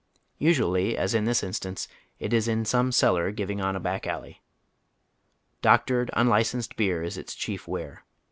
Usually, as in this instance, it is in some cellar giving on a back alley. Doctored, un licensed beer is its chief ware.